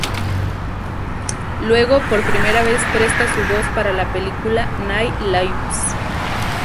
Luego, por primera vez presta su voz para la película Nine lives.